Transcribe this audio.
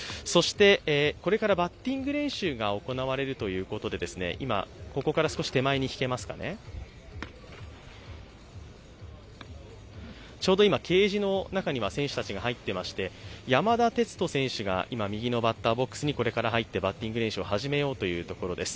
これからバッティング練習も行われるということでちょうど今、ケージの中には選手たちが入ってまして山田哲人選手が右のバッターボックスに入ってこれからバッティング練習を始めようというところです。